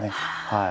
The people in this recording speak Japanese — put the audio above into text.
はい。